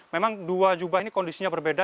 memang dua jubah ini kondisinya berbeda